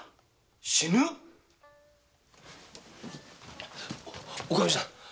死ぬ⁉お内儀さん